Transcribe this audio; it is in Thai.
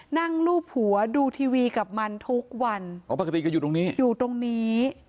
นั่งลูบหัวดูทีวีกับมันทุกวันอยู่ตรงนี้